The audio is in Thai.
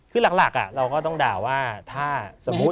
คือหลักเราก็ต้องด่าว่าถ้าสมมุติ